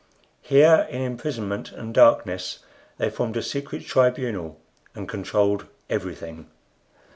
Here, in imprisonment and darkness, they formed a secret tribunal and controlled everything.